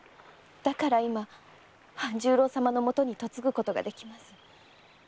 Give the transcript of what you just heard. だから今半十郎様のもとに嫁ぐことができます。